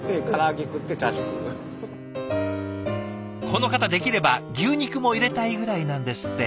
この方できれば牛肉も入れたいぐらいなんですって。